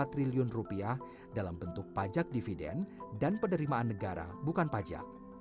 lima puluh empat triliun rupiah dalam bentuk pajak dividen dan penderimaan negara bukan pajak